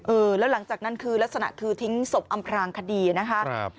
เออแล้วหลังจากนั้นคือลักษณะคือทิ้งศพอำพลางคดีนะคะครับ